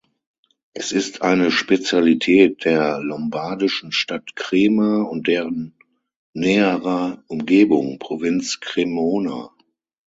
Es ist eine Spezialität der lombardischen Stadt Crema und deren näherer Umgebung (Provinz Cremona).